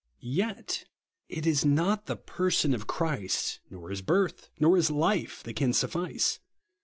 Yet it is not the person of Christ, nor his birth, nor his life, that can suffice.